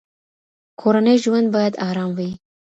کورنی ژوند باید ارام وي.